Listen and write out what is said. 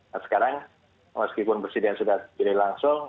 nah sekarang meskipun presiden sudah pilih langsung